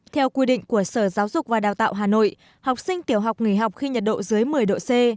theo quy định của sở giáo dục và đào tạo hà nội học sinh tiểu học nghỉ học khi nhiệt độ dưới một mươi độ c